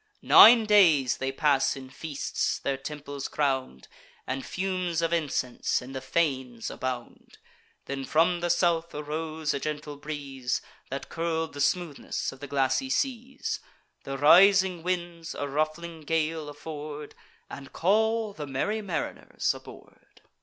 Nine days they pass in feasts, their temples crown'd; And fumes of incense in the fanes abound. Then from the south arose a gentle breeze That curl'd the smoothness of the glassy seas; The rising winds a ruffling gale afford, And call the merry mariners aboard.